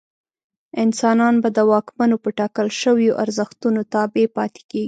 انسان به د واکمنو په ټاکل شویو ارزښتونو تابع پاتې کېږي.